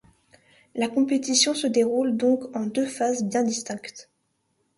La compétition se déroule donc en deux phases bien distinctes.